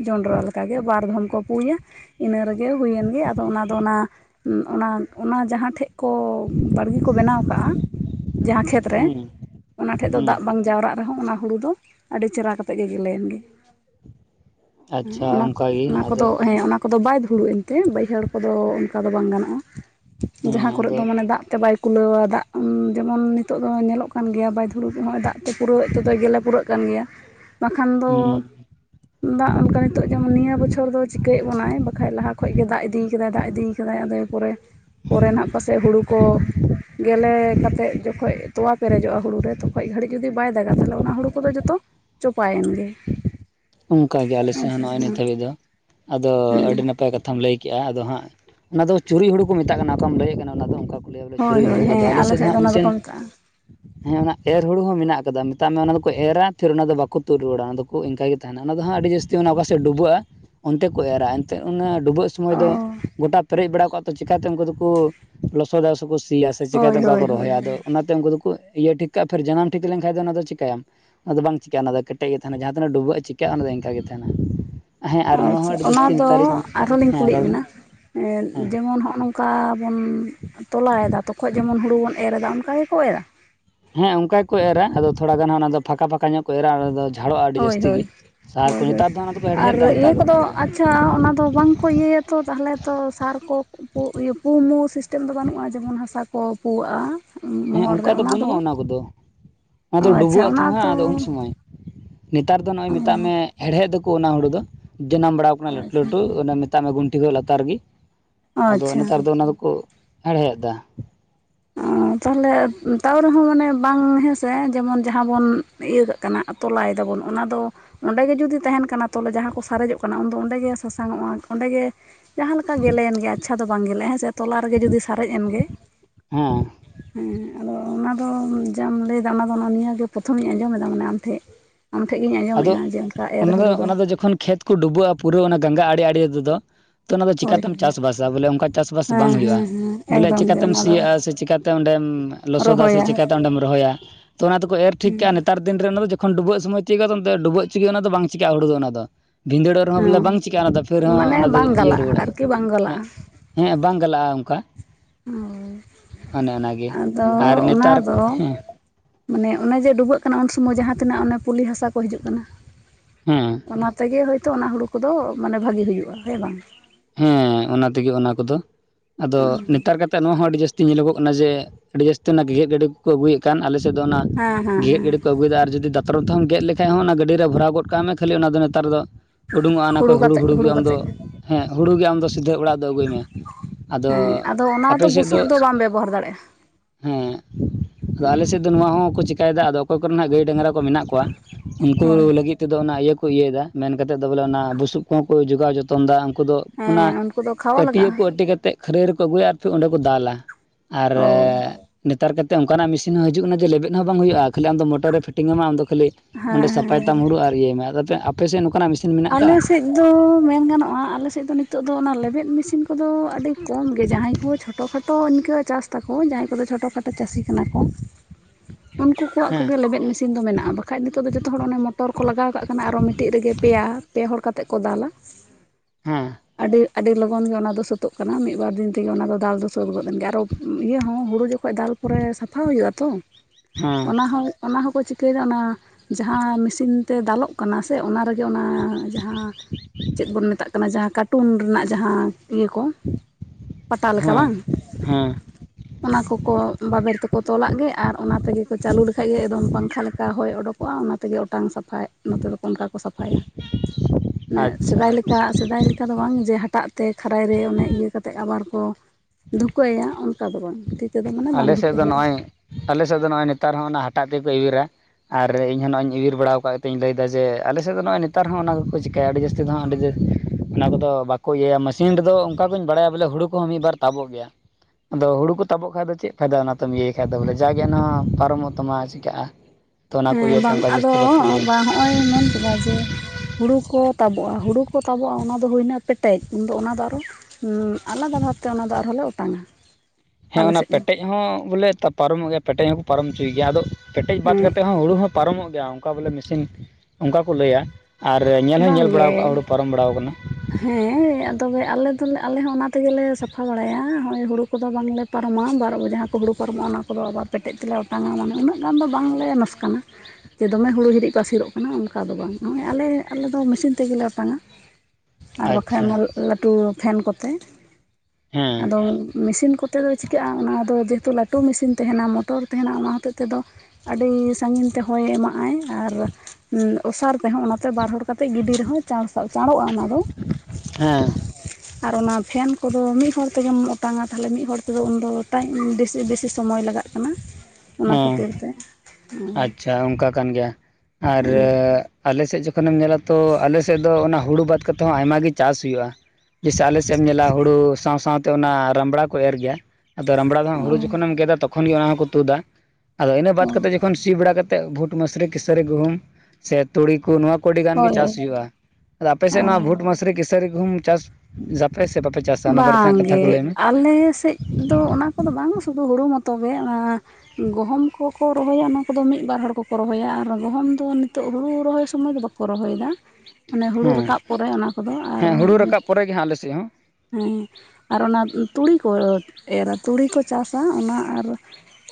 ᱡᱚᱸᱰᱨᱟ ᱞᱮᱠᱟ ᱜᱮ ᱵᱟᱨ ᱫᱷᱚᱢ ᱠᱚ ᱯᱩᱭᱟ ᱤᱱᱟᱹ ᱨᱮᱜᱮ ᱦᱩᱭᱮᱱ ᱜᱮ ᱟᱫᱚ ᱚᱱᱟ ᱫᱚ ᱚᱱᱟ, ᱚᱱᱟ ᱚᱱᱟ ᱡᱟᱦᱟᱸ ᱴᱷᱮᱜ ᱠᱚ ᱵᱟᱹᱲᱜᱤ ᱠᱚ ᱵᱮᱱᱟᱣ ᱠᱟᱜᱼᱟ ᱡᱟᱦᱟᱸ ᱠᱷᱮᱛ ᱨᱮ ᱦᱮᱸ ᱚᱱᱟ ᱴᱷᱮᱜ ᱫᱚ ᱦᱮᱸ ᱫᱟᱜᱽ ᱵᱟᱝ ᱡᱟᱣᱨᱟᱜ ᱨᱮᱦᱚᱸ ᱚᱱᱟ ᱦᱩᱲᱩ ᱫᱚ ᱟᱹᱰᱤ ᱪᱮᱨᱦᱟ ᱠᱟᱛᱮ ᱜᱮ ᱜᱮᱞᱮ ᱭᱮᱱ ᱜᱮ᱾ ᱦᱩᱸ ᱟᱪᱪᱷᱟ ᱚᱱᱟ ᱚᱱᱠᱟᱜᱮ ᱚᱱᱟ ᱟᱫᱚ ᱠᱚᱫᱚ ᱦᱮᱸ ᱚᱱᱟ ᱠᱚᱫᱚ ᱵᱟᱭᱮᱫ ᱦᱩᱲᱩ ᱮᱱᱛᱮ ᱵᱟᱹᱭᱦᱟᱹᱲ ᱠᱚᱫᱚ ᱚᱱᱠᱟ ᱫᱚ ᱵᱟᱝ ᱜᱟᱱᱚᱜᱼᱟ᱾ ᱦᱮᱸ ᱡᱟᱦᱟᱸ ᱠᱚᱨᱮᱫ ᱟᱫᱚ ᱫᱚ ᱢᱟᱱᱮ ᱫᱟᱜᱽ ᱛᱮ ᱵᱟᱭ ᱠᱩᱞᱟᱹᱣᱟ ᱫᱟᱜᱽ ᱡᱮᱢᱚᱱ ᱱᱤᱛᱚᱜ ᱫᱚ ᱧᱮᱞᱚᱜ ᱠᱟ ᱠᱟᱱ ᱜᱮᱭᱟ ᱵᱟᱭᱮᱫ ᱦᱩᱲᱩ ᱦᱚᱸᱜ-ᱚᱭ ᱫᱟᱜᱽ ᱛᱮ ᱯᱩᱨᱟᱹᱣ ᱛᱮᱫᱚᱭ ᱜᱮᱞᱮ ᱯᱩᱨᱟᱹᱜ ᱠᱟᱱ ᱜᱮᱭᱟ ᱵᱟᱠᱷᱟᱱ ᱫᱚ [inaudible] ᱫᱟᱜᱽ ᱚᱱᱠᱟ ᱱᱤᱛᱚᱜ ᱡᱮᱢᱚᱱ ᱱᱤᱭᱟᱹ ᱵᱚᱪᱷᱚᱨ ᱫᱚ ᱪᱤᱠᱟᱹᱭᱮᱜ ᱵᱚᱱᱟᱭ ᱵᱟᱠᱷᱟᱭ ᱞᱟᱦᱟ ᱠᱷᱚᱭ ᱜᱮ ᱫᱟᱜᱽ ᱤᱫᱤᱭ ᱠᱟᱫᱟᱭ ᱫᱟᱜᱽ ᱤᱫᱤᱭ ᱠᱟᱫᱟᱭ ᱟᱫᱚ, ᱯᱚᱨᱮ ᱯᱚᱨᱮ ᱱᱟᱦᱟᱸᱜ ᱯᱟᱥᱮᱜ ᱦᱩᱲᱩ ᱠᱚ ᱜᱮᱞᱮ ᱠᱟᱛᱮᱜ ᱡᱚᱠᱷᱚᱭ ᱛᱚᱣᱟ ᱯᱮᱨᱮᱡᱚᱜᱼᱟ ᱦᱩᱲᱩ ᱨᱮ ᱛᱚᱠᱷᱚᱭ ᱜᱷᱟᱹᱲᱤᱜ ᱡᱩᱫᱤ ᱵᱟᱭ ᱫᱟᱜᱟ ᱛᱟᱦᱚᱞᱮ ᱚᱱᱟ ᱦᱩᱲᱩ ᱠᱚᱫᱚ ᱡᱚᱛᱚ ᱪᱚᱯᱟᱭᱮᱱ ᱜᱮ᱾ ᱚᱱᱠᱟ ᱜᱮ ᱦᱮᱸ ᱟᱞᱮᱥᱮᱜ ᱥᱮ ᱦᱚᱸ ᱱᱚᱜᱼᱚᱭ ᱱᱤᱛ ᱦᱮᱸ ᱦᱟᱹᱵᱤᱜ ᱫᱚ ᱟᱫᱚ ᱟᱹᱰᱤ ᱱᱟᱯᱟᱭ ᱠᱟᱛᱷᱟᱢ ᱞᱟᱹᱭ ᱠᱮᱜᱼᱟ ᱟᱫᱚ ᱦᱟᱸᱜ ᱚᱱᱟ ᱫᱚ ᱪᱩᱲᱤ ᱦᱩᱲᱩ ᱠᱚ ᱢᱮᱛᱟᱜ ᱠᱟᱱᱟ ᱛᱚ ᱟᱢ ᱞᱟᱹᱭᱮᱫ ᱠᱟᱱᱟ ᱚᱱᱟ ᱫᱚ ᱚᱱᱠᱟ, ᱞᱟᱹᱭᱟ ᱵᱚᱞᱮ ᱦᱳᱭ ᱪᱩᱨᱩᱡ ᱦᱩᱲᱩ ᱦᱳᱭ ᱟᱫᱚ ᱦᱮᱸ ᱟᱞᱮ ᱥᱮᱫ ᱫᱚ ᱦᱟᱸᱜ ᱚᱱᱟ ᱫᱚᱠᱚ ᱢᱤᱫᱴᱮᱱ ᱢᱮᱛᱟᱜᱼᱟ ᱦᱮᱸ ᱚᱱᱟ ᱮᱨ ᱦᱩᱲᱩ ᱦᱚᱸ ᱢᱮᱱᱟᱜ ᱟᱠᱟᱫᱟ ᱢᱮᱛᱟᱜ ᱢᱮ ᱚᱱᱟ ᱫᱚᱠᱚ ᱮᱨᱟ ᱛᱷᱤᱨ ᱚᱱᱟ ᱫᱚ ᱵᱟᱠᱚ ᱛᱩᱫ ᱨᱩᱣᱟᱹᱲᱟ ᱚᱱᱟ ᱫᱚᱠᱚ ᱤᱝᱠᱟ ᱜᱮ ᱛᱟᱦᱮᱱᱟ᱾ ᱚᱱᱟ ᱫᱚ ᱦᱟᱸᱜ ᱟᱹᱰᱤ ᱡᱟᱹᱥᱛᱤ ᱚᱱᱟ ᱚᱠᱟᱥᱮᱜ ᱰᱩᱵᱟᱹᱜᱼᱟ ᱚᱱᱛᱮ ᱠᱚ ᱮᱨᱟ ᱮᱱᱛᱮᱜ ᱚᱱᱟ ᱰᱩᱵᱟᱹᱜ ᱥᱚᱢᱚᱭ ᱫᱚ ᱚ ᱜᱚᱴᱟ ᱯᱮᱨᱮᱜ ᱵᱟᱲᱟ ᱠᱚᱜᱼᱟ ᱛᱚ ᱪᱮᱠᱟ ᱛᱮ ᱩᱱᱠᱩ ᱫᱚᱠᱚ ᱞᱚᱥᱚᱫᱟ ᱥᱮᱠᱚ ᱥᱤᱭᱟ ᱥᱮ ᱥᱮ ᱪᱮᱠᱟ ᱛᱮ ᱦᱳᱭ ᱚᱱᱠᱟ ᱦᱳᱭ ᱠᱚ ᱦᱳᱭ ᱨᱚᱦᱚᱭᱟ ᱟᱫᱚ ᱚᱱᱟᱛᱮ ᱩᱱᱠᱩ ᱫᱚᱠᱚ ᱤᱭᱟᱹ ᱴᱷᱤᱠ ᱠᱟᱜᱼᱟ ᱯᱷᱮᱨ ᱡᱟᱱᱟᱢ ᱴᱷᱤᱠ ᱞᱮᱱ ᱠᱷᱟᱭ ᱫᱚ ᱚᱱᱟ ᱫᱚ ᱪᱤᱠᱟᱹᱭᱟᱢ ᱟᱫᱚ ᱵᱟᱝ ᱪᱤᱠᱟᱹᱜᱼᱟ ᱚᱱᱟ ᱫᱚ ᱠᱮᱴᱮᱜ ᱜᱮ ᱛᱟᱦᱮᱱᱟ ᱡᱟᱦᱟᱸ ᱛᱤᱱᱟᱹᱜ ᱰᱩᱵᱟᱹᱜ ᱪᱤᱠᱟᱹᱜᱼᱟ ᱚᱱᱟ ᱫᱚ ᱤᱱᱠᱟᱹᱜᱮ ᱛᱟᱦᱮᱱᱟ᱾ ᱦᱮᱸ ᱟᱨ ᱱᱚᱣᱟ ᱦᱚᱸ ᱟᱪᱪᱷᱟ ᱟᱹᱰᱤ ᱚᱱᱟ ᱡᱟᱹᱥᱛᱤ ᱫᱚ ᱱᱮᱛᱟᱨᱤᱧ ᱟᱨᱦᱚᱸ ᱞᱤᱧ ᱦᱮᱸ ᱠᱩᱞᱤᱭᱮᱜ ᱨᱚᱲ ᱢᱮ ᱵᱮᱱᱟ ᱦᱮᱸ ᱡᱮᱢᱚᱱ ᱦᱚᱜᱼᱚ ᱱᱚᱝ ᱠᱟ ᱵᱚᱱ ᱛᱚᱞᱟ ᱭᱮᱫᱟ ᱛᱚᱠᱷᱚᱡ ᱡᱮᱢᱚᱱ ᱦᱩᱲᱩ ᱵᱚᱱ ᱮᱨ ᱮᱫᱟ ᱚᱱᱠᱟ ᱜᱮᱠᱚ ᱮᱨᱟ? ᱦᱮᱸ ᱚᱱᱠᱟ ᱜᱮᱠᱚ ᱮᱨᱟ, ᱟᱫᱚ ᱛᱷᱚᱲᱟ ᱜᱟᱱ ᱚᱱᱟᱫᱚ ᱯᱷᱟᱸᱠᱟ ᱯᱷᱟᱸᱠᱟ ᱧᱚᱜ ᱠᱚ ᱮᱨᱟ ᱚᱱᱟᱫᱚ ᱡᱷᱟᱲᱚᱜᱼᱟ ᱟᱹᱰᱤ ᱦᱳᱭ ᱡᱟᱹᱥᱛᱤ ᱦᱳᱭ ᱜᱮ ᱟᱨ ᱠᱚ ᱦᱳᱭ ᱦᱳᱭ ᱱᱮᱛᱟᱨ ᱫᱚ ᱚᱱᱟ ᱫᱚᱠᱚ ᱟᱨ ᱦᱮᱲᱦᱮᱫ ᱫᱟ ᱤᱭᱟᱹ ᱱᱮᱛᱟᱨ ᱫᱚ ᱚᱱᱟ ᱠᱚᱫᱚ᱾ ᱟᱪᱪᱷᱟ ᱚᱱᱟ ᱫᱚ ᱵᱟᱝᱠᱚ ᱤᱭᱟᱹᱭᱟ ᱛᱚ ᱛᱟᱦᱚᱞᱮ ᱛᱚ ᱥᱟᱨ ᱠᱚ, ᱯᱩ ᱤᱭᱟᱹ ᱯᱩ ᱢᱩ ᱥᱤᱥᱴᱮᱢ ᱫᱚ ᱵᱟᱹᱱᱩᱜᱼᱟ ᱡᱮᱢᱚᱱ ᱦᱟᱥᱟ ᱠᱚ ᱯᱩᱣᱟᱜᱼᱟ᱾ ᱦᱮᱸ ᱢᱚᱦᱚᱲ ᱨᱮ ᱚᱱᱠᱟ ᱚᱱᱟ ᱫᱚ ᱵᱟᱹᱱᱩᱜᱼᱟ ᱵᱟᱝ ᱠᱚᱫᱚ ᱚᱱᱟ ᱚ ᱫᱚ ᱟᱪᱪᱷᱟ ᱰᱩᱵᱟᱹᱜ ᱟᱛᱚ ᱚᱱᱟ ᱦᱟᱸᱜ ᱛᱚ, ᱟᱫᱚ ᱩᱱ ᱥᱚᱢᱚᱭ ᱱᱮᱛᱟᱨ ᱫᱚ ᱱᱚᱜᱼᱚᱭ ᱢᱮᱛᱟᱜ ᱢᱮ ᱦᱮᱲᱦᱮᱫ ᱫᱟᱠᱚ ᱚᱱᱟ ᱦᱩᱲᱩ ᱫᱚ ᱡᱟᱱᱟᱢ ᱵᱟᱲᱟᱣ ᱠᱟᱱᱟ ᱞᱟᱹᱴᱩ ᱟᱪᱪᱷᱟ ᱞᱟᱹᱴᱩ ᱚᱱᱟ ᱢᱮᱛᱟᱜ ᱢᱮ ᱜᱩᱱᱴᱷᱤ ᱠᱷᱚᱡ ᱞᱟᱛᱟᱨ ᱜᱮ ᱟᱫᱚ ᱟᱪᱪᱷᱟ ᱱᱮᱛᱟᱨ ᱫᱚ ᱚᱱᱟ ᱫᱚᱠᱚ ᱦᱮᱲᱦᱮᱸᱫ ᱫᱟ᱾ ᱚ ᱛᱟᱦᱚᱞᱮ ᱛᱟᱣ ᱨᱮᱦᱚᱸ ᱢᱟᱱᱮ ᱵᱟᱝ ᱦᱮᱸᱥᱮ ᱡᱮᱢᱚᱱ ᱡᱟᱦᱟᱸ ᱵᱚᱱ ᱤᱭᱟᱹ ᱠᱟᱜ, ᱠᱟᱱᱟ ᱛᱚᱞᱟᱭ ᱫᱟᱵᱚᱱ ᱚᱱᱟ ᱫᱚ ᱚᱸᱰᱮᱜᱮ ᱡᱩᱫᱤ ᱛᱟᱦᱮᱸᱱ ᱠᱟᱱᱟ ᱛᱚᱞᱮ ᱡᱟᱦᱟᱸ ᱠᱚ ᱥᱟᱨᱮᱡᱚᱜ ᱠᱟᱱᱟ ᱩᱱᱫᱚ ᱚᱸᱰᱮᱜᱮ ᱥᱟᱥᱟᱝ ᱚᱜᱼᱟ ᱚᱸᱰᱮ ᱜᱮ ᱡᱟᱦᱟᱸ ᱞᱮᱠᱟ ᱜᱮᱞᱮ ᱭᱮᱱ ᱜᱮ ᱟᱪᱪᱷᱟ ᱫᱚ ᱵᱟᱝ ᱜᱮᱞᱮᱜ ᱦᱮᱸᱥᱮ ᱛᱚᱞᱟ ᱨᱮᱜᱮ ᱡᱩᱫᱤ ᱥᱟᱨᱮᱡ ᱮᱱ ᱜᱮ, ᱦᱚᱸ᱾ ᱦᱮᱸ ᱟᱫᱚ ᱚᱱᱟ ᱫᱚ ᱡᱟᱢ ᱞᱟᱹᱭᱫᱟ ᱚᱱᱟ ᱫᱚ ᱱᱤᱭᱟᱹᱜᱮ ᱯᱨᱚᱛᱚᱢᱤᱧ ᱟᱸᱡᱚᱢᱮᱫᱟ ᱢᱟᱱᱮ ᱟᱢ ᱴᱷᱮᱡ᱾ ᱟᱢ ᱴᱷᱮᱡ ᱜᱤᱧ ᱟᱸᱡᱚᱢᱮᱜᱼᱟ ᱟᱫᱚ ᱡᱮ ᱚᱱᱠᱟ ᱮᱨ ᱦᱩᱲᱩ ᱫᱚ ᱡᱚᱠᱷᱚᱱ ᱠᱷᱮᱛ ᱠᱚ ᱰᱩᱵᱟᱹᱜᱼᱟ ᱯᱩᱨᱟᱹ ᱚᱱᱟ ᱜᱚᱝᱜᱟ ᱟᱲᱮ ᱟᱲᱮ ᱛᱮᱫᱚ, ᱛᱚ ᱚᱱᱟ ᱫᱚ ᱦᱳᱭ ᱪᱤᱠᱟᱛᱮᱢ ᱦᱳᱭ ᱪᱟᱥᱵᱟᱥᱟ ᱵᱚᱞᱮ ᱚᱱᱠᱟ ᱪᱟᱥᱵᱟᱥ ᱦᱮᱸ ᱵᱟᱝ ᱦᱩᱭᱩᱜᱼᱟ, ᱦᱮᱸ ᱦᱮᱸ ᱵᱚᱞᱮ ᱮᱠᱫᱚᱢ ᱜᱮ ᱪᱤᱠᱟᱛᱮᱢ ᱚᱱᱟ ᱫᱚ ᱥᱤᱭᱳᱜᱼᱟ ᱥᱮ ᱪᱮᱠᱟᱛᱮ ᱚᱸᱰᱮᱢ ᱞᱚᱥᱚᱫᱟ ᱥᱮ ᱨᱚᱦᱚᱭᱟ ᱪᱮᱠᱟᱛᱮ ᱚᱸᱰᱮᱢ ᱨᱚᱦᱚᱭᱟ, ᱛᱚ ᱚᱱᱟ ᱫᱚᱠᱚ ᱮᱨ ᱴᱷᱤᱠ ᱠᱟᱜᱼᱟ ᱱᱮᱛᱟᱨ ᱫᱤᱱ ᱨᱮ ᱚᱱᱟ ᱡᱚᱠᱷᱚᱱ ᱰᱩᱵᱟᱹᱜ ᱥᱚᱢᱚᱭ ᱛᱤᱭᱚᱜᱚᱜᱼᱟ ᱟᱫᱚ ᱩᱱᱛᱮ ᱰᱩᱵᱟᱹᱜ ᱪᱤᱠᱟ ᱚᱱᱟ ᱫᱚ ᱵᱟᱝ ᱪᱤᱠᱟᱹᱜᱼᱟ ᱦᱩᱲᱩ ᱫᱚ ᱚᱱᱟ ᱫᱚ᱾ ᱵᱷᱤᱸᱤᱫᱟᱹᱲᱚᱜ ᱨᱮᱦᱚᱸ ᱦᱮᱸ ᱵᱚᱞᱮ ᱵᱟᱝ ᱪᱤᱠᱟᱹᱜᱼᱟ ᱚᱱᱟᱫᱚ ᱯᱷᱤᱨ ᱨᱮᱦᱚᱸ ᱢᱟᱱᱮ ᱚᱱᱟ ᱫᱚ ᱵᱟᱝ ᱤᱭᱟᱹ ᱜᱟᱞᱟᱜᱼᱟ ᱨᱩᱣᱟᱹᱲᱟ ᱟᱨᱠᱤ ᱵᱟᱝ ᱦᱮᱸᱜ᱾ ᱜᱟᱞᱟᱜᱼᱟ ᱦᱮᱸ ᱵᱟᱝ ᱜᱟᱞᱟᱜᱼᱟ ᱚᱝᱠᱟ᱾ ᱦᱳᱭ ᱚᱱᱮ ᱚᱱᱟᱜᱮ ᱟᱫᱚ ᱟᱨ ᱱᱮᱛᱟᱨ ᱚᱱᱟ ᱫᱚ ᱦᱮᱸ ᱢᱟᱱᱮ ᱚᱱᱮ ᱡᱮ ᱰᱩᱵᱟᱹᱜ ᱠᱟᱱᱟ ᱩᱱ ᱥᱚᱢᱚᱭ ᱡᱟᱦᱟᱸ ᱛᱤᱱᱟᱹᱜ ᱚᱱᱮ ᱯᱩᱞᱤ ᱦᱟᱥᱟ ᱠᱚ ᱦᱤᱡᱩᱜ ᱠᱟᱱᱟ, ᱦᱮᱸ᱾ ᱚᱱᱟ ᱛᱮᱜᱮ ᱦᱳᱭᱛᱚ ᱚᱱᱟ ᱦᱩᱲᱩ ᱠᱚᱫᱚ ᱢᱟᱱᱮ ᱵᱷᱟᱜᱮ ᱦᱩᱭᱩᱜᱼᱟ ᱦᱮᱸ ᱵᱟᱝ? ᱦᱮᱸ ᱚᱱᱟ ᱛᱮᱜᱮ ᱚᱱᱟ ᱠᱚᱫᱚ ᱟᱫᱚ ᱱᱮᱛᱟᱨ ᱠᱟᱛᱮᱜ ᱱᱚᱣᱟ ᱦᱚᱸ ᱟᱹᱰᱤ ᱡᱟᱹᱥ ᱛᱤ ᱧᱮᱞᱚᱜᱚᱜ ᱠᱟᱱᱟ ᱡᱮ ᱟᱹᱰᱤ ᱡᱟᱹᱥᱛᱤ ᱚᱱᱟ ᱜᱮᱜᱮᱫ ᱜᱟᱹᱰᱤ ᱠᱚ ᱟᱹᱜᱩᱭᱮᱜ ᱠᱟᱱ ᱟᱞᱮ ᱥᱮᱫ ᱫᱚ ᱚᱱᱟ ᱦᱮᱸ ᱦᱮᱸ ᱦᱮᱸ ᱜᱮᱜᱮᱫ ᱜᱟᱹᱰᱤ ᱠᱚ ᱟᱹᱜᱩᱭᱮᱫᱟ ᱟᱨ ᱡᱩᱫᱤ ᱫᱟ ᱛᱨᱚᱢ ᱛᱮᱦᱚᱢ ᱜᱮᱫ ᱞᱮᱠᱷᱟᱡ ᱦᱚᱸ ᱚᱱᱟ ᱜᱟᱹᱰᱤ ᱨᱮ ᱵᱷᱚᱨᱟᱣ ᱜᱚᱫ ᱠᱟᱜ ᱢᱮ ᱠᱷᱟᱹᱞᱤ ᱚᱱᱟ ᱫᱚ ᱱᱮᱛᱟᱨ ᱫᱚ ᱩᱰᱩᱝᱚᱜᱼᱟ ᱚᱱᱟ ᱠᱷᱚᱱ ᱦᱩᱲᱩ ᱦᱩᱲᱩ ᱜᱮ ᱟᱢ ᱫᱚ ᱦᱮᱸ ᱦᱩᱲᱩ ᱜᱮ ᱟᱢ ᱫᱚ ᱥᱤᱫᱷᱟᱹ ᱚᱲᱟᱜ ᱫᱚ ᱟᱹᱜᱩᱭ ᱢᱮ᱾ ᱟᱫᱚ ᱦᱮᱸ ᱟᱫᱚ ᱚᱱᱟ ᱟᱯᱮ ᱫᱚ ᱥᱮᱫ ᱵᱩᱥᱩᱵ ᱫᱚ ᱵᱟᱢ ᱵᱮᱵᱚᱦᱟᱨ ᱫᱟᱲᱮᱜᱼᱟ᱾ ᱦᱮᱸ ᱟᱫᱚ ᱟᱞᱮᱥᱮᱫ ᱫᱚ ᱱᱚᱣᱟ ᱦᱚᱸ ᱠᱚ ᱪᱤᱠᱟᱭᱫᱟ ᱟᱫᱚ ᱚᱠᱚᱭ ᱠᱚᱨᱮ ᱦᱟᱸᱜ ᱜᱟᱹᱭ ᱰᱟᱝᱨᱟ ᱠᱚ ᱢᱮᱱᱟᱜ ᱠᱚᱣᱟ ᱩᱱᱠᱩ ᱦᱳᱭ ᱞᱟᱹᱜᱤᱫ ᱛᱮᱫᱚ ᱚᱱᱟ ᱤᱭᱟᱹ ᱠᱚ ᱤᱭᱟᱹᱭ ᱫᱟ ᱢᱮᱱ ᱠᱟᱛᱮᱫ ᱫᱚ ᱵᱚᱞᱮ ᱚᱱᱟ ᱵᱩᱥᱩᱵ ᱠᱚᱦᱚᱸ ᱠᱚ ᱡᱚᱜᱟᱣ ᱡᱚᱛᱚᱱ ᱫᱟ, ᱩᱱᱠᱩ ᱫᱚ ᱚᱱᱟ ᱦᱮᱸ ᱩᱱᱠᱩ ᱫᱚ ᱠᱷᱟᱣᱟ ᱯᱟᱹᱴᱤᱭᱟᱹ ᱠᱚ ᱞᱟᱜᱟᱜᱼᱟ ᱟᱹᱴᱤ ᱠᱟᱛᱮᱜ ᱠᱷᱟᱹᱨᱟᱹᱭ ᱨᱮᱠᱚ ᱟᱹᱜᱩᱭᱟ ᱟᱨ ᱚᱸᱰᱮ ᱠᱚ ᱫᱟᱞᱟ, ᱟᱨ ᱦᱳᱭ ᱱᱮᱛᱟᱨ ᱠᱟᱛᱮ ᱚᱱᱠᱟᱱᱟᱜ ᱢᱮᱥᱤᱱ ᱦᱚᱸ ᱦᱤᱡᱩᱜ ᱠᱟᱱᱟ ᱡᱮ ᱞᱮᱵᱮᱫ ᱦᱚᱸ ᱵᱟᱝ ᱦᱩᱭᱩᱜᱼᱟ ᱠᱷᱟᱹᱞᱤ ᱟᱢ ᱫᱚ ᱢᱚᱴᱚᱨᱮ ᱯᱷᱴᱤᱝ ᱟᱢᱟ ᱟᱢᱫᱚ ᱠᱷᱟᱹᱞᱤ ᱚᱸᱰᱮ ᱦᱮᱸ ᱥᱟᱯᱷᱟᱭ ᱦᱮᱸ ᱛᱟᱢ ᱦᱩᱲ ᱟᱨ ᱤᱭᱟᱹᱭ ᱢᱮ ᱟᱫᱚᱯᱮ ᱟᱯᱮᱥᱮᱫ ᱱᱚᱝᱠᱟᱱᱟᱜ ᱢᱤᱥᱤᱱ ᱟᱞᱮ ᱥᱮᱫ ᱫᱚ ᱢᱮᱱ ᱜᱟᱱᱚᱜᱼᱟ, ᱟᱞᱮᱥᱮᱫ ᱫᱚ ᱱᱤᱛᱚᱜ ᱫᱚ ᱚᱱᱟ ᱞᱮᱵᱮᱫ ᱢᱮᱥᱤᱱ ᱠᱚᱫᱚ ᱟᱹᱰᱤ ᱠᱚᱢ ᱜᱮ ᱡᱟᱦᱟᱸᱭ ᱠᱚ ᱴᱚ ᱠᱷᱟᱴᱚ ᱤᱱᱠᱟᱹ ᱪᱟᱥ ᱛᱟᱠᱚ ᱡᱟᱦᱟᱸᱭ ᱠᱚᱫᱚ ᱪᱷᱳᱴᱳ ᱠᱷᱟᱴᱳ ᱪᱟᱹᱥᱤ ᱠᱟᱱᱟ ᱠᱚ ᱩᱱᱠᱩ ᱠᱚᱣᱟᱜ ᱦᱮᱸ ᱠᱚᱜᱮ ᱞᱮᱵᱮᱫ ᱢᱤ ᱥᱤᱱ ᱫᱚ ᱢᱮᱱᱟᱜᱼᱟ, ᱵᱟᱠᱷᱟᱡ ᱱᱤᱛᱚᱜ ᱫᱚ ᱡᱚᱛᱚ ᱦᱚᱲ ᱚᱱᱮ ᱢᱚᱴᱚᱨ ᱠᱚ ᱞᱟᱜᱟᱣ ᱠᱟᱜ ᱠᱟᱱᱟ ᱟᱨᱚ ᱢᱤᱫᱴᱤᱡ ᱨᱮᱜᱮ ᱯᱮᱭᱟ ᱯᱮ ᱦᱚᱲ ᱠᱟᱛᱮᱜ ᱠᱚ ᱫᱟᱞᱟ᱾ ᱦᱮᱸ᱾ ᱟᱹᱰᱤ ᱟᱹᱰᱤ ᱞᱚᱜᱚᱱ ᱜᱮ ᱚᱱᱟ ᱫᱚ ᱥᱟᱹᱛᱟᱹᱜ ᱠᱟᱱᱟ, ᱢᱤᱫ ᱵᱟᱨ ᱫᱤᱱ ᱛᱮᱜᱮ ᱚᱱᱟ ᱫᱚ ᱫᱟᱞ ᱫᱚ ᱥᱟᱹᱛ ᱜᱚᱫ ᱮᱱ ᱜᱮ ᱟᱨᱚ ᱤᱭᱟᱹ ᱦᱚᱸ ᱦᱩᱲᱩ ᱡᱚ ᱠᱷᱡ ᱫᱟᱞ ᱯᱚᱨᱮ ᱥᱟᱯᱷᱟ ᱦᱩᱭᱩᱜᱼᱟ ᱛᱚ, ᱦᱮᱸ ᱚᱱᱟ ᱦᱚᱸ ᱚᱱᱟ ᱦᱚᱸᱠᱚ ᱪᱤᱠᱟᱹᱭ ᱫᱟ ᱚᱱᱟ ᱡᱟᱦᱟᱸ ᱢᱮᱥᱤᱱ ᱛᱮ ᱫᱟᱞᱚᱜ ᱠᱟᱱᱟ ᱥᱮ ᱚᱱᱟ ᱨᱮ ᱜᱮ ᱚᱱᱟ ᱡᱟᱦᱟᱸ ᱪᱮᱫ ᱵᱚᱱ ᱢᱮᱛᱟᱜ ᱠᱟᱱᱟ ᱡᱟᱦᱟᱸ ᱠᱟᱴ ᱴᱩᱱ ᱨᱮᱱᱟᱜ ᱡᱟᱦᱟᱸ ᱤᱭᱟᱹ ᱠᱚ ᱯᱟᱴᱟ ᱞᱮᱠᱟ ᱦᱮᱸ ᱵᱟᱝ? ᱦᱮᱸ ᱚᱱᱟ ᱠᱚᱠᱚ ᱵᱟᱵᱮᱨ ᱛᱮᱠᱚ ᱛᱚᱞᱟᱜ ᱜᱮ ᱟᱨ ᱚᱱᱟ ᱛᱮᱜᱮ ᱠᱚ ᱪᱟᱹᱞᱩ ᱞᱮᱠᱷᱟᱡ ᱜᱮ ᱮᱠᱫᱚᱢ ᱯᱟᱝᱠᱷᱟ ᱞᱮᱠᱟ ᱦᱚᱭ ᱚᱰᱚᱠ ᱠᱚᱜᱼᱟ, ᱚᱱᱟ ᱛᱮᱜᱮ ᱚᱴᱟᱝ ᱥᱟᱯᱷᱟᱭᱮᱡ ᱱᱚᱛᱮ ᱫᱚᱠᱚ ᱚᱱᱠᱟ ᱠᱚ ᱥᱟ ᱯᱷᱟᱭᱟ, ᱢᱟᱱᱮ ᱟᱪᱪᱷᱟ ᱥᱮᱫᱟᱭ ᱞᱮᱠᱟ ᱥᱮᱫᱟᱭ ᱞᱮ ᱠᱟ ᱫᱚ ᱵᱟᱝ ᱡᱮ ᱦᱟᱴᱟᱜ ᱛᱮ ᱠᱷᱟᱨᱟᱭ ᱨᱮ ᱚᱱᱮ ᱤᱭᱟᱹ ᱠᱟᱛᱮᱫ ᱟᱵᱟᱨ ᱠᱚ ᱫᱷᱩᱠᱟᱹᱭᱟ ᱚᱱᱠᱟ ᱫᱚ ᱵᱟᱝ ᱛᱤ ᱛᱮᱫᱚ ᱢᱟᱱᱮ ᱵᱟᱝ ᱟᱞᱮ ᱫᱷᱩᱠᱟᱹ ᱥᱮᱫ ᱫᱚ ᱦᱩᱭᱩᱜᱼᱟ᱾ ᱱᱚᱜᱼᱚᱭ ᱟᱞᱮ ᱥᱮᱫ ᱫᱚ ᱱᱚᱜᱼᱚᱭ ᱱᱮᱛᱟᱨ ᱦᱚᱸ ᱚᱱᱟ ᱦᱟᱴᱟᱜ ᱛᱮᱜᱮ ᱠᱚ ᱮᱣᱮᱨᱟ᱾ ᱟᱨ ᱤᱧᱦᱚᱸ ᱱᱚᱜᱼᱚᱧ ᱮᱣᱭᱮᱨ ᱵᱟᱲᱟ ᱠᱟᱜ ᱜᱮᱛᱮᱧ ᱞᱟᱹᱭᱫᱟ ᱡᱮ ᱟᱞᱮ ᱥᱮᱫ ᱫᱚ ᱱᱚᱜᱼᱚᱭ ᱱᱮᱛᱟᱨ ᱦᱚᱸ ᱚᱱᱟ ᱠᱚᱠᱚ ᱪᱤᱠᱟᱹᱭᱟ ᱟᱹᱰᱤ ᱡᱟᱹᱥᱛᱤ ᱫᱚ ᱦᱟᱸᱜ ᱟᱹᱰᱤ ᱡᱮ ᱚᱱᱟ ᱠᱚᱫᱚ ᱵᱟᱠᱚ ᱤᱭᱟᱹᱭᱟ ᱢᱮᱥᱤᱱ ᱨᱮᱫᱚ ᱚᱱᱠᱟ ᱫᱚᱧ ᱵᱟᱲᱟᱭᱟ ᱵᱚᱞᱮ ᱦᱩᱲᱩ ᱠᱚᱦᱚᱸ ᱢᱤᱫ ᱵᱟᱨ ᱛᱟᱵᱚᱜ ᱜᱮᱭᱟ᱾ ᱟᱫᱚ ᱦᱩᱲᱩ ᱠᱚ ᱛᱟᱵᱚᱜ ᱠᱷᱟᱡ ᱫᱚ ᱪᱮᱫ ᱯᱷᱟᱭᱫᱟ ᱚᱱᱟ ᱛᱮᱢ ᱤᱭᱟᱹᱭ ᱠᱷᱟᱡ ᱫᱚ ᱵᱚᱞᱮ ᱡᱟ ᱜᱮ ᱚᱱᱟ ᱦᱚᱸ ᱯᱟᱨᱚᱢᱚᱜ ᱛᱟᱢᱟ ᱪᱮᱠᱟᱹᱜᱼᱟ? ᱦᱮᱸ ᱵᱟᱝ ᱟᱫᱚ ᱵᱟᱝ ᱦᱚᱸᱜᱼᱚᱭ ᱢᱮᱱ ᱠᱮᱫᱟ ᱡᱮ ᱦᱩᱲᱩ ᱠᱚ ᱛᱟᱵᱚᱜᱼᱟ, ᱦᱩᱲᱩ ᱠᱚ ᱛᱟᱵᱚᱜᱼᱟ ᱚᱱᱟ ᱫᱚ ᱦᱩᱭᱱᱟ ᱯᱮᱴᱮᱡ᱾ ᱩᱱᱫᱚ ᱚᱱᱟᱫᱚ ᱟᱨ ᱟᱞᱟᱫᱟ ᱵᱷᱟᱵᱽᱛᱮ ᱚᱱᱟ ᱫᱚ ᱟᱨᱦᱚᱸᱞᱮ ᱚᱴᱟᱝᱟ᱾ ᱦᱮᱸ ᱟᱞᱮ ᱚᱱᱟ ᱥᱮᱫ ᱫᱚ ᱯᱮᱴᱮᱡ ᱦᱚᱸ ᱵᱚᱞᱮ ᱯᱟᱨᱚᱢᱚᱜ ᱜᱮᱭᱟ ᱯᱮᱴᱮᱡ ᱦᱚᱸᱠᱚ ᱯᱟᱨᱚᱢ ᱦᱚᱪᱚᱭ ᱜᱮᱭᱟ ᱟᱫᱚ ᱯᱮᱴᱮᱡ ᱵᱟᱫ ᱦᱮᱸ ᱠᱟᱛᱮᱫ ᱦᱚᱸ ᱦᱩᱲᱩ ᱦᱚᱸ ᱯᱟᱨᱚᱢᱚᱜ ᱜᱮᱭᱟ ᱚᱱᱠᱟ ᱵᱚᱞᱮ ᱢᱮᱥᱤᱱ ᱚᱱᱠᱟ ᱠᱚ ᱞᱟᱹᱭᱟ᱾ ᱟᱨ ᱧᱮᱞ ᱦᱚᱸᱧ ᱧᱮᱞ ᱵᱟᱝᱜᱮ ᱵᱟᱲᱟᱣᱠᱟᱜᱼᱟ ᱦᱩᱲᱩ ᱯᱟᱨᱚᱢ ᱵᱟᱲᱟᱟᱣ ᱟᱠᱟᱱᱟ᱾ ᱦᱮᱸ ᱛᱚᱵᱮ ᱟᱞᱮ ᱫᱚᱞᱮ ᱟᱞᱮ ᱦᱚᱸ ᱚᱱᱟ ᱛᱮᱜᱮᱞᱮ ᱥᱟᱯᱷᱟ ᱵᱟᱲᱟᱭᱟ ᱱᱚᱜᱼᱚᱭ ᱦᱳᱲᱳ ᱠᱚᱫᱚ ᱵᱟᱝᱞᱮ ᱯᱟᱨᱚᱢᱟ ᱵᱟᱨᱚ ᱵᱟᱡᱮ ᱡᱟᱦᱟ ᱠᱚ ᱦᱩᱲᱩ ᱯᱟᱨᱚᱢᱚᱜᱼᱟ ᱚᱱᱟ ᱠᱚᱫᱚ ᱟᱵᱚᱨ ᱯᱮᱴᱮᱡ ᱛᱮᱞᱮ ᱚᱴᱟᱝᱟ ᱢᱟᱱᱮ ᱩᱱᱟᱹᱜ ᱜᱟᱱ ᱫᱚ ᱵᱟᱝ ᱞᱮ ᱱᱚᱥ ᱠᱟᱱᱟ ᱫᱚᱢᱮ ᱦᱩᱲᱩ ᱦᱤᱨᱤᱡ ᱯᱟᱹᱥᱤᱨᱚᱜ ᱠᱟᱱᱟ ᱚᱱᱠᱟ ᱫᱚ ᱵᱟᱝ ᱱᱚᱜᱼᱚᱭ ᱟᱞᱮ ᱟᱞᱮ ᱫᱚ ᱢᱤᱥᱤᱱ ᱛᱮᱜᱮᱞᱮ ᱚᱴᱟᱝᱟ᱾ ᱟᱨ ᱵᱟᱠᱷᱟᱱ ᱟᱪᱪᱷᱟ [unintelligible] ᱞᱟᱹᱴᱩ ᱯᱷᱮᱱ ᱠᱚᱛᱮ᱾ ᱦᱮᱸ ᱟᱫᱚ ᱢᱤᱥᱤᱱ ᱠᱚᱛᱮ ᱫᱚ ᱪᱤᱠᱟᱹᱜᱼᱟ ᱚᱱᱟᱫᱚ ᱡᱮᱦᱮᱛᱩ ᱞᱟᱹᱴᱩ ᱢᱤᱥᱤᱱ ᱛᱟᱦᱮᱸᱱᱟ ᱢᱚᱴᱚᱨ ᱛᱟᱦᱮᱸᱱᱟ ᱚᱱᱟ ᱦᱚᱛᱮᱫ ᱛᱮᱫᱚ ᱟᱹᱰᱤ ᱥᱟᱺᱜᱤᱧ ᱛᱮ ᱦᱚᱭ ᱮᱢᱟᱜ ᱟᱭ ᱟᱨ ᱚᱥᱟᱨ ᱛᱮᱦᱚᱸ ᱚᱱᱟᱛᱮ ᱵᱟᱨ ᱦᱚᱲ ᱠᱟᱛᱮᱜ ᱜᱤᱰᱤ ᱨᱮᱦᱚᱸ ᱪᱟᱸᱥ ᱪᱟᱬᱚᱜᱼᱟ ᱚᱱᱟ ᱫᱚ᱾ ᱦᱮᱸ ᱟᱨ ᱚᱱᱟ ᱯᱷᱮᱱ ᱠᱚᱫᱚ ᱢᱤᱫ ᱦᱚᱲ ᱛᱮᱜᱮᱢ ᱚᱴᱟᱝᱟ ᱛᱟᱦᱞᱮ ᱢᱤᱫ ᱦᱚᱲ ᱛᱮᱫᱚ ᱩᱱᱫᱚ [unintelligible] ᱵᱮᱥᱤ ᱵᱮᱥᱤ ᱥᱚᱢᱚᱭ ᱞᱟᱜᱟᱜ ᱠᱟᱱᱟ᱾ ᱚᱱᱟ ᱦᱮᱸ ᱠᱷᱟᱹᱛᱤᱨ ᱛᱮ ᱟᱪᱪᱷᱟ ᱚᱱᱠᱟ ᱠᱟᱱ ᱜᱮᱭᱟ᱾ ᱟᱨ ᱦᱮᱸ ᱟᱞᱮᱥᱮᱫ ᱡᱚᱠᱷᱚᱱᱮᱢ ᱧᱮᱞᱟ ᱛᱚ ᱟᱞᱮᱥᱮᱫ ᱫᱚ ᱚᱱᱟ ᱦᱩᱲᱩ ᱵᱟᱫᱽ ᱠᱟᱛᱮ ᱦᱚᱸ ᱟᱭᱢᱟ ᱜᱮ ᱪᱟᱥ ᱦᱩᱭᱩᱜᱼᱟ᱾ ᱦᱤᱥ ᱟᱞᱮ ᱥᱮᱫ ᱮᱢ ᱧᱮᱞᱟ ᱦᱩᱲᱩ ᱥᱟᱶ ᱥᱟᱶᱛᱮ ᱚᱱᱟ ᱨᱟᱢᱲᱟ ᱠᱚ ᱮᱨ ᱜᱮᱭᱟ᱾ ᱟᱫᱚ ᱨᱟᱢᱲᱟ ᱫᱚ ᱦᱩᱲᱩ ᱡᱚᱠᱷᱚᱱᱮᱢ ᱜᱮᱫᱟ ᱛᱚᱠᱷᱚᱱ ᱜᱮ ᱚᱱᱟ ᱦᱚᱸᱠᱚ ᱛᱩᱫᱟ᱾ ᱟᱫᱚ ᱤᱱᱟᱹ ᱵᱟᱫ ᱚ ᱠᱟᱛᱮ ᱡᱚᱠᱷᱚᱱ ᱥᱤ ᱵᱟᱲᱟᱛᱮᱫ ᱵᱷᱩᱴ ᱢᱟᱹᱥᱨᱤ ᱠᱮᱥᱟᱹᱨᱤ ᱜᱩᱦᱩᱢ ᱥᱮ ᱛᱩᱲᱤ ᱠᱚ ᱱᱚᱣᱟ ᱠᱩᱰᱤ ᱜᱟᱱ ᱜᱮ ᱦᱳᱭ ᱪᱟᱥ ᱦᱩᱭᱩᱜᱼᱟ, ᱟᱫᱚ ᱟᱯᱮᱥᱮᱫ ᱱᱚᱣᱟ ᱚ ᱵᱷᱩᱴ ᱢᱟᱹᱥᱨᱤ ᱠᱤᱥᱟᱹᱨᱤ ᱠᱚᱦᱩᱢ ᱪᱟᱥ ᱡᱟᱯᱮ ᱥᱮ ᱵᱟᱯᱮ ᱪᱟᱥᱟ ᱚᱱᱟ ᱵᱟᱨᱮᱛᱮ ᱦᱟᱸᱜ ᱠᱟᱛᱷᱟ ᱠᱚ ᱞᱟᱹᱭ ᱢᱮ᱾ ᱛᱚ ᱚᱱᱟ ᱠᱚᱫᱚ ᱵᱟᱝ ᱥᱩᱫᱷᱩ ᱦᱩᱲᱩ ᱢᱚᱛᱚ ᱜᱮ ᱚᱱᱟ ᱜᱩᱦᱩᱢ ᱠᱚᱠᱚ ᱨᱚᱦᱚᱭᱟ ᱚᱱᱟ ᱠᱚᱫᱚ ᱢᱤᱫ ᱵᱟᱨ ᱦᱚᱲ ᱠᱚᱠᱚ ᱨᱚᱦᱚᱭᱟ ᱟᱨ ᱜᱩᱦᱩᱢ ᱫᱚ ᱱᱤᱛᱚᱜ ᱦᱩᱲᱩ ᱨᱚᱦᱚᱭ ᱥᱚᱢᱚᱭ ᱫᱚ ᱵᱟ ᱠᱚ ᱨᱚᱦᱚᱭᱮᱫᱟ ᱢᱟᱱᱮ ᱦᱩᱲᱩ ᱦᱮᱸ ᱨᱟᱠᱟᱵ ᱯᱚᱨᱮ ᱚᱱᱟ ᱠᱚᱫᱚ ᱟᱨ ᱚᱰᱮ ᱜᱮ ᱦᱟᱸᱜ ᱟᱞᱮ ᱥᱮᱜ ᱦᱚᱸ ᱦᱮᱸ ᱟᱨ ᱚᱱᱟ ᱛᱩᱲᱤ ᱠᱚ ᱮᱨᱟ ᱛᱩᱲᱤ ᱠᱚ ᱪᱟᱥᱟ ᱚᱱᱟ ᱟᱨ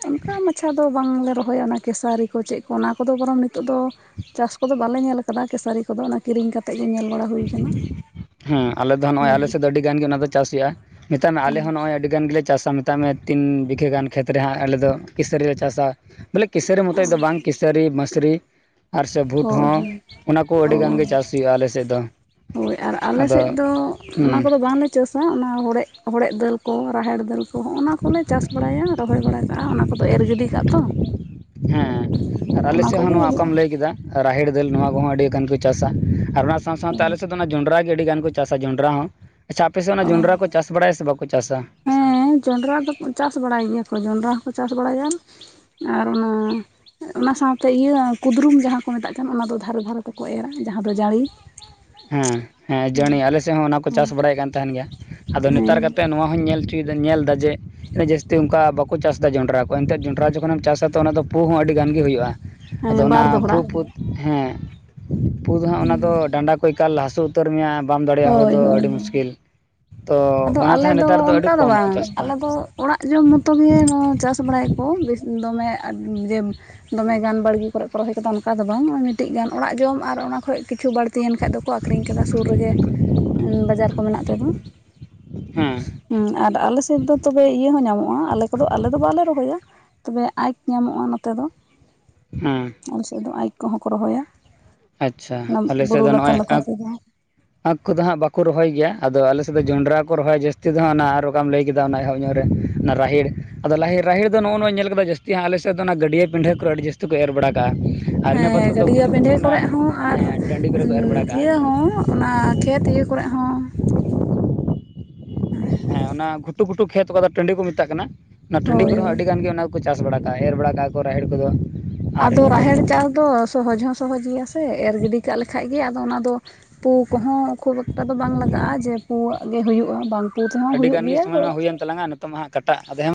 ᱚᱱᱠᱟ ᱢᱟᱪᱷᱟ ᱫᱚ ᱵᱟᱝᱞᱮ ᱨᱚᱦᱚᱭᱟ ᱚᱱᱟ ᱠᱮᱥᱟᱨᱤ᱾ ᱪᱮᱫ ᱠᱚ ᱚᱱᱟ ᱠᱚᱫᱚ ᱵᱚᱨᱚᱢ ᱱᱤᱛᱚᱜ ᱫᱚ ᱪᱟᱥ ᱠᱚᱫᱚ ᱵᱟᱞᱮ ᱧᱮᱞ ᱟᱠᱟᱫᱟ ᱠᱮᱥᱟᱨᱤ ᱠᱚᱫᱚ ᱚᱱᱟ ᱠᱤᱨᱤᱧ ᱠᱟᱛ ᱛᱮᱜ ᱜᱮ ᱧᱮᱞ ᱵᱟᱲᱟ ᱦᱩᱭ ᱟᱠᱟᱱᱟ, ᱦᱮᱸ ᱟᱞᱮ ᱫᱚ ᱱᱚᱜᱼᱚᱭ ᱦᱮᱸ ᱟᱞᱮ ᱥᱮᱫ ᱫᱚ ᱟᱹᱰᱤ ᱜᱟᱱ ᱜᱮ ᱚᱱᱟ ᱫᱚ ᱪᱟᱥ ᱦᱩᱭᱩᱜᱼᱟ, ᱢᱮᱛᱟᱜ ᱢᱟ ᱟᱞᱮ ᱦᱚᱸ ᱱᱚᱜᱼᱚᱭ ᱟᱹᱰᱤ ᱜᱟᱱ ᱜᱮᱞᱮ ᱪᱟᱥᱟ ᱢᱮᱛᱟᱜ ᱢᱮ ᱛᱤᱱ ᱵᱤᱜᱷᱟᱹ ᱜᱟᱱ ᱠᱷᱮᱛ ᱨᱮ ᱦᱟᱸᱜ ᱟᱞᱮ ᱫᱚ ᱠᱤᱥᱟᱹᱨᱤ ᱞᱮ ᱪᱟᱥᱟ ᱵᱚᱞᱮ ᱠᱤᱥᱟᱹᱨᱤ ᱢᱩᱛᱮᱜ ᱫᱚ ᱵᱟᱝ ᱠᱤᱥᱟᱹᱨᱤ ᱢᱟᱹᱥᱨᱤ ᱟᱨ ᱥᱮ ᱵᱷᱩᱴ ᱦᱳᱭ ᱦᱚᱸ ᱚᱱᱟ ᱠᱚ ᱟᱹᱰᱤ ᱜᱟᱱ ᱦᱳᱭ ᱜᱮ ᱪᱟᱥ ᱦᱩᱭᱩᱜᱼᱟ ᱟᱞᱮ ᱥᱮᱫ ᱫᱚ᱾ ᱦᱳᱭ ᱟᱨ ᱟᱫᱚ ᱟᱞᱮᱥᱮᱫ ᱫᱚ ᱦᱮᱸ ᱚᱱᱟ ᱠᱚᱫᱚ ᱵᱟᱝᱞᱮ ᱪᱟᱥᱟ, ᱚᱱᱟ ᱦᱚᱲᱮᱜ ᱦᱚᱲᱮᱫ ᱫᱟᱹᱞ ᱠᱚ ᱨᱟᱦᱮᱲ ᱫᱟᱹᱞ ᱠᱚ ᱦᱚᱸᱜ ᱱᱟᱣᱟ ᱠᱚᱞᱮ ᱪᱟᱥ ᱵᱟᱲᱟᱭᱟ ᱨᱚᱦᱚᱭ ᱵᱟᱲᱟ ᱠᱟᱜᱼᱟ ᱚᱱᱟ ᱠᱚᱫᱚ ᱮᱨ ᱜᱤᱰᱤ ᱠᱟᱜ-ᱟ ᱛᱚ ᱦᱮᱸ ᱟᱨ ᱟᱞᱮ ᱚᱱᱟ ᱥᱮᱫ ᱦᱚᱸ ᱠᱚᱜᱮ ᱱᱚᱣᱟ ᱦᱩᱭᱩᱜᱼᱟ ᱚᱠᱟᱢ ᱞᱟᱹᱭ ᱠᱮᱫᱟ ᱨᱟᱦᱮᱲ ᱫᱟᱹᱞ ᱱᱚᱣᱟ ᱠᱚᱦᱚᱸ ᱟᱹᱰᱤᱜᱟᱱ ᱪᱟᱥᱟ ᱟᱨ ᱚᱱᱟ ᱥᱟᱶ ᱥᱟᱶ ᱛᱮ ᱟᱞᱮ ᱥᱮᱫ ᱫᱚ ᱚᱱᱟ ᱡᱚᱱᱰᱨᱟ ᱜᱮ ᱟᱹᱰᱤ ᱜᱟᱱ ᱠᱚ ᱪᱟᱥᱟ ᱡᱚᱱᱰᱨᱟ ᱦᱚᱸᱼᱼ ᱟᱪᱪᱷᱟ ᱟᱯᱮᱥᱮᱜ ᱚᱱᱟ ᱚ ᱡᱚᱱᱰᱨᱟ ᱠᱚ ᱪᱟᱥ ᱵᱟᱲᱟᱭᱟ ᱥᱮ ᱵᱟᱠᱚ ᱪᱟᱥᱟ ᱡᱚᱸᱱᱰᱨᱟ ᱫᱚ ᱪᱟᱥ ᱵᱟᱲᱟᱭ ᱜᱮᱭᱟᱠᱚ ᱡᱚᱸᱱᱰᱨᱟ ᱦᱚᱸᱠᱚ ᱪᱟᱥ ᱵᱟᱲᱟᱭᱟ ᱟᱨ ᱚᱱᱟᱼᱼ ᱚᱱᱟ ᱥᱟᱶ ᱛᱮ ᱤᱭᱟᱹ ᱠᱩᱫᱽᱨᱩᱢ ᱡᱟᱦᱟᱸ ᱠᱚ ᱢᱮᱛᱟᱜ ᱠᱟᱱ ᱚᱱᱟ ᱫᱚ ᱫᱷᱟᱨᱮ ᱫᱷᱟᱨᱮ ᱛᱮᱠᱚ ᱮᱨᱟ ᱡᱟᱦᱟᱸ ᱫᱚ ᱡᱟᱹᱲᱤ ᱦᱮᱸ ᱦᱮᱸ ᱡᱟᱹᱱᱤ ᱟᱞᱮ ᱥᱮᱜ ᱦᱚᱸ ᱚᱱᱟ ᱠᱚ ᱪᱟᱥ ᱵᱟᱲᱟᱭᱮᱫ ᱠᱟᱱ ᱛᱟᱦᱮᱸᱱ ᱜᱮᱭᱟ ᱟᱫᱚ ᱦᱮᱸ ᱱᱮᱛᱟᱨ ᱠᱟᱛᱮᱜ ᱱᱚᱣᱟᱼᱼ ᱦᱚᱧ ᱧᱮᱞ ᱴᱷᱤᱠ ᱮᱫᱟ ᱧᱮᱞ ᱮᱫᱟ ᱡᱮ, ᱡᱟᱹᱥᱛᱤ ᱚᱱᱠᱟ ᱵᱟᱠᱚ ᱪᱟᱥ ᱮᱫᱟ ᱡᱚᱸᱱᱰᱨᱟ ᱠᱚ ᱮᱱᱛᱮ ᱡᱚᱸᱱᱰᱨᱟ ᱡᱚᱠᱷᱚᱱᱮᱢ ᱪᱟᱥᱟ ᱛᱚ ᱚᱱᱟ ᱫᱚᱼᱼ ᱯᱩ ᱦᱚᱸ ᱟᱹᱰᱤ ᱜᱟᱱ ᱜᱮ ᱦᱩᱭᱩᱜᱼᱟ ᱟᱫᱚ ᱦᱮᱸ ᱚᱱᱟ ᱵᱟᱨ ᱯᱩ ᱫᱚᱦᱲᱟ ᱯᱩ ᱦᱮᱸᱼᱼ ᱯᱩ ᱫᱚ ᱦᱟᱸᱜ ᱚᱱᱟ ᱫᱚ ᱰᱟᱸᱰᱟ ᱠᱚ ᱮᱠᱟᱞ ᱦᱟᱹᱥᱩ ᱩᱛᱟᱹᱨ ᱢᱮᱭᱟ ᱵᱟᱢ ᱫᱟᱲᱮᱭᱟᱜᱼᱟ ᱦᱚᱲ ᱦᱳᱭ ᱫᱚ ᱦᱳᱭ ᱟᱹᱰᱤ ᱢᱩᱥᱠᱤᱞ ᱛᱚ ᱟᱫᱚ ᱚᱱᱟᱛᱮ ᱟᱞᱮ ᱦᱟᱸᱜ ᱫᱚ ᱱᱮᱛᱟᱨ ᱟᱹᱰᱤ ᱚᱱᱠᱟ ᱫᱚ ᱠᱚᱢ ᱠᱚ ᱵᱟᱝ ᱪᱟᱥ ᱮᱫᱟ ᱟᱞᱮ ᱫᱚ ᱚᱲᱟᱜ ᱡᱚᱢ ᱢᱚᱛᱚ ᱜᱮ [unintelligible] ᱪᱟᱥ ᱵᱟᱲᱟᱭ ᱟᱠᱚ ᱵᱮᱥ ᱫᱚᱢᱮ ᱩᱸ ᱡᱮᱼᱼ ᱫᱚᱢᱮᱜᱟᱱ ᱵᱟᱲᱜᱮ ᱠᱚᱨᱮᱜ ᱠᱚ ᱨᱚᱦᱚᱭ ᱠᱟᱫᱟ ᱚᱱᱠᱟ ᱫᱚ ᱵᱟᱝ ᱱᱚᱜᱼᱚᱭ ᱢᱤᱫᱴᱤᱡ ᱜᱟᱱ ᱚᱲᱟᱜ ᱡᱚᱢ ᱟᱨ ᱚᱱᱟ ᱠᱷᱚᱡ ᱠᱤᱪᱷᱩ ᱵᱟᱹᱲᱛᱤᱭᱮᱱ ᱠᱷᱟᱡ ᱫᱚᱼᱼ ᱠᱚ ᱟᱹᱠᱷᱨᱤᱧ ᱠᱮᱫᱟ ᱥᱩᱨ ᱨᱮᱜᱮ ᱵᱟᱡᱟᱨ ᱠᱚ ᱢᱮᱱᱟᱜ ᱛᱟᱫᱚᱼᱼ ᱦᱮᱸ ᱦᱮᱸ ᱟᱨ ᱟᱞᱮ ᱥᱮᱫ ᱫᱚ ᱛᱚᱵᱮ ᱤᱭᱟᱹ ᱦᱚᱸ ᱧᱟᱢᱚᱜᱼᱟ ᱟᱞᱮ ᱠᱚᱫᱚ ᱟᱞᱮ ᱫᱚ ᱵᱟᱞᱮ ᱨᱚᱦᱚᱭᱟ ᱛᱚᱵᱮ ᱟᱸᱭᱠ ᱧᱟᱢᱚᱜᱼᱟ ᱱᱚᱛᱮ ᱫᱚᱼᱼ ᱦᱮᱸ ᱟᱞᱮ ᱥᱮᱫ ᱫᱚ ᱟᱭᱤᱠ ᱠᱚᱦᱚᱸ ᱠᱚ ᱨᱚᱦᱚᱭᱟ ᱟᱪᱪᱷᱟ ᱚᱱᱟ ᱟᱞᱮ ᱥᱮᱫ ᱵᱩᱨᱩ ᱫᱚ ᱞᱟᱛᱟᱨ ᱱᱚᱜᱼᱚᱭ ᱞᱟᱛᱟᱨ ᱟᱸᱠᱼᱼ ᱛᱮᱫᱚ ᱦᱟᱸᱠ ᱠᱚᱫᱚ ᱦᱟᱸᱜ ᱵᱟᱠᱚ ᱨᱚᱦᱚᱭ ᱜᱮᱭᱟ ᱟᱫᱚ ᱟᱞᱮ ᱥᱮᱫ ᱫᱚ ᱡᱚᱸᱰᱨᱟ ᱠᱚ ᱨᱚᱦᱚᱭᱟ ᱡᱟᱹᱥᱛᱤ ᱫᱚ ᱦᱟᱜ ᱚᱱᱟ ᱟᱨᱚᱸᱼᱼ ᱚᱢᱠᱟᱢ ᱞᱟᱹᱭ ᱠᱮᱫᱟ ᱚᱱᱟ ᱮᱦᱚᱵᱧᱚᱜ ᱨᱮ ᱚᱱᱟ ᱨᱟᱦᱮᱲ ᱟᱫᱚ ᱞᱟᱦᱮᱲ ᱨᱟᱦᱮᱲ ᱫᱚ ᱱᱚᱜᱼᱚ ᱱᱚᱣᱟ ᱧᱮᱞ ᱠᱮᱫᱟ ᱡᱟᱹᱥᱛᱤ ᱦᱟᱸᱜ ᱟᱞᱮ ᱥᱮᱫᱼᱼ [unintelligible] ᱫᱚ ᱚᱱᱟ ᱜᱟᱹᱰᱭᱟᱹ ᱯᱤᱰᱷᱟᱹ ᱠᱚᱨᱮ ᱟᱹᱰᱤ ᱡᱟᱹᱥᱛᱤ ᱠᱚ ᱮᱨ ᱵᱟᱲᱟ ᱠᱟᱜᱼᱟ ᱟᱨ ᱦᱮᱸ ᱜᱟᱹᱰᱭᱟᱹ [unintelligible] ᱯᱤᱸᱰᱟᱹ ᱠᱚᱨᱮ ᱦᱚᱸ ᱟᱨ ᱦᱮᱸ ᱴᱟᱺᱰᱤ ᱠᱚᱨᱮ ᱠᱚ ᱮᱨ ᱵᱟᱲᱟ ᱠᱟᱜᱼᱟ ᱤᱭᱟᱹ ᱦᱚᱸ ᱚᱱᱟ ᱠᱷᱮᱛ ᱤᱭᱟᱹ ᱠᱚᱨᱮᱜ ᱦᱚᱸᱼᱼ ᱦᱮᱸ ᱚᱱᱟ ᱜᱷᱩᱴ ᱜᱷᱩᱴᱩ ᱠᱷᱮᱛ ᱠᱚᱫᱚ ᱴᱟᱺᱰᱤ ᱠᱚ ᱢᱮᱛᱟᱜ ᱠᱟᱱᱟ ᱚᱱᱟ ᱴᱟᱺᱰᱤ ᱦᱳᱭ ᱠᱚᱨᱮ ᱦᱚᱸ ᱦᱳᱭ ᱟᱹᱰᱤ ᱜᱟᱱ ᱜᱮ ᱚᱱᱟ ᱠᱚ ᱪᱟᱥ ᱵᱟᱲᱟ ᱠᱟᱜᱼᱟ ᱮᱨ ᱵᱟᱲᱟ ᱠᱟᱜᱼᱟ ᱨᱟᱦᱮᱲ ᱠᱚ ᱫᱚ ᱟᱨ ᱟᱫᱚ ᱤᱱᱟᱹ [unintelligible] ᱨᱟᱦᱮᱲ ᱪᱟᱥ ᱫᱚ ᱥᱚᱦᱚᱡᱽ ᱦᱚᱸ ᱥᱚᱦᱚᱡᱽ ᱜᱮᱭᱟ ᱥᱮ ᱮᱨ ᱜᱤᱰᱤ ᱠᱟᱜ ᱞᱮᱸᱠᱷᱟᱡ ᱜᱮ ᱟᱫᱚ ᱚᱱᱟ ᱫᱚᱼᱼ ᱯᱩ ᱠᱚᱦᱚᱸ ᱠᱷᱩᱵ ᱮᱠᱴᱟ ᱫᱚ ᱵᱟᱝ ᱞᱟᱜᱟᱜᱼᱟ ᱡᱮ ᱯᱩᱣᱟᱹᱜ ᱜᱮ ᱦᱩᱭᱩᱜᱼᱟ ᱵᱟᱝ ᱯᱩ ᱛᱮᱦᱚᱸ ᱟᱹᱰᱤ ᱦᱩᱭᱩᱜ ᱜᱟᱱ ᱜᱮ ᱜᱮᱭᱟ [unintelligible] ᱱᱤᱛᱚᱜ ᱢᱟ ᱦᱟᱸᱜ ᱠᱟᱴᱟᱜ ᱟᱫᱮ ᱦᱚᱸᱼᱼ